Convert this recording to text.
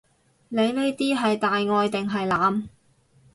你呢啲係大愛定係濫？